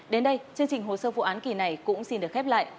đến đây chương trình hồ sơ vụ án kỳ này cũng xin được khép lại